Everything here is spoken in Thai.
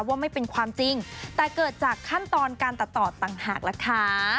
ว่าไม่เป็นความจริงแต่เกิดจากขั้นตอนการตัดต่อต่างหากล่ะค่ะ